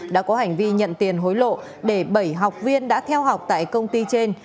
đã có hành vi nhận tiền hối lộ để bảy học viên đã theo học tại công ty trên